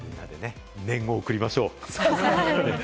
念を送りましょう！